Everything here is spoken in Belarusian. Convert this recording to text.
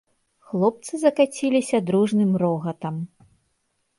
Хлопцы закаціліся дружным рогатам.